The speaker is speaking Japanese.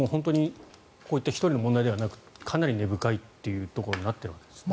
こういった１人の問題ではなくかなり根深いというところになっているわけですね。